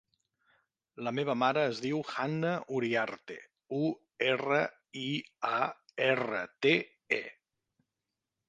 La meva mare es diu Hanna Uriarte: u, erra, i, a, erra, te, e.